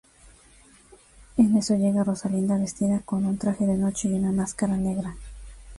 En eso llega Rosalinda, vestida con un traje de noche y una máscara negra.